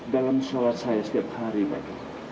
dalam sholat saya setiap hari pak